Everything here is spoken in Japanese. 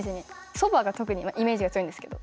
そばが特にイメージが強いんですけど。